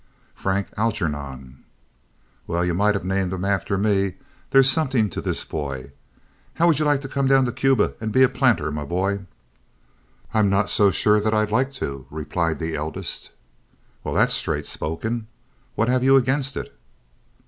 "Frank Algernon." "Well, you might have named him after me. There's something to this boy. How would you like to come down to Cuba and be a planter, my boy?" "I'm not so sure that I'd like to," replied the eldest. "Well, that's straight spoken. What have you against it?"